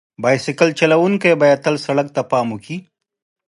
بایسکل چلونکي باید تل سړک ته پام وکړي.